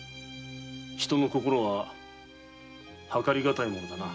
人の心は計り難いものだな。